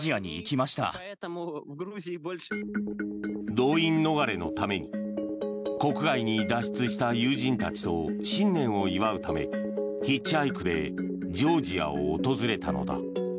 動員逃れのために国外に脱出した友人たちと新年を祝うためヒッチハイクでジョージアを訪れたのだ。